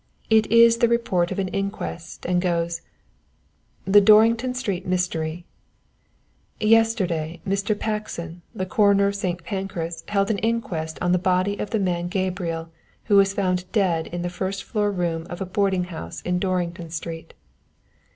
It is a report of an inquest and goes "THE DORRINGTON STREET MYSTERY "_Yesterday Mr. Paxton, the coroner of St. Pancras, held an inquest on the body of the man Gabriel who was found dead in the first floor room of a boarding house in Dorrington Street.